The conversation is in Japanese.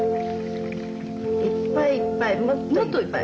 いっぱいいっぱいもっといっぱい。